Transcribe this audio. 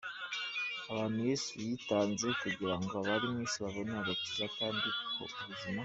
abantu Yesu yitanze kugirango abari mwisi babone agakiza kandi ko ubuzima.